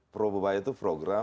pro bobaya itu program